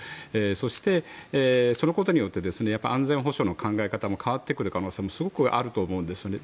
そして、そのことによって安全保障の考え方も変わってくる可能性もすごくあると思うんですよね。